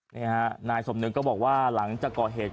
นี่ฮะนายสมนึกก็บอกว่าหลังจากก่อเหตุ